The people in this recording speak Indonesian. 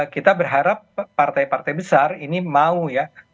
kita berharap partai partai besar ini mau ya